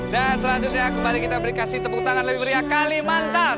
dan selanjutnya mari kita beri tepuk tangan yang lebih meriah kalimantan